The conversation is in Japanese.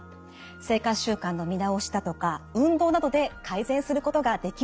生活習慣の見直しだとか運動などで改善することができるからなんです。